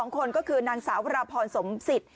๒คนก็คือนางสาววารพรสมสิต